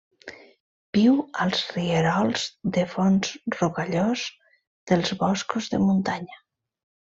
Viu als rierols de fons rocallós dels boscos de muntanya.